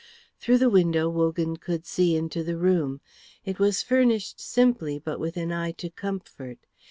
Through the window Wogan could see into the room. It was furnished simply, but with an eye to comfort.